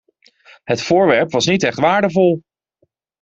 Het voorwerp was niet echt waardevol.